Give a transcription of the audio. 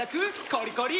コリコリ！